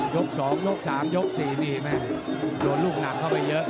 ยก๒ยก๓ยก๔นี่แม่โดนลูกหนักเข้าไปเยอะ